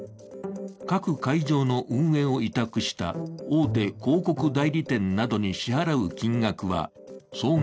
各会場の運営を委託した大手広告代理店などに支払う金額は総額